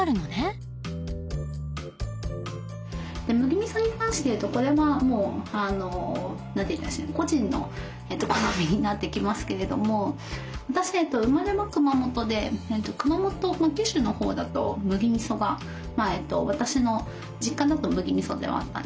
麦みそに関して言うとこれはもう個人の好みになってきますけれども私生まれは熊本で九州の方だと麦みそが私の実家だと麦みそではあったんですね。